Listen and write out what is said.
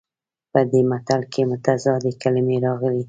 په دې متل کې متضادې کلمې راغلي دي